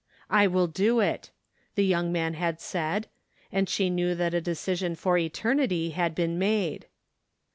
" I will do it," the young man had said, and she knew that a decision for eternity had been made.